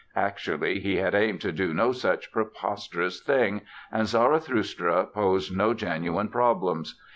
Actually he had aimed to do no such preposterous thing, and Zarathustra posed no genuine problems.